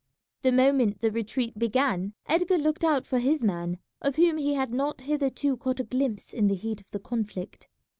The moment the retreat began Edgar looked out for his man, of whom he had not hitherto caught a glimpse in the heat of the conflict.